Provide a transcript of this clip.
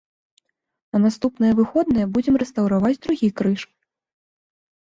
На наступныя выходныя будзем рэстаўраваць другі крыж.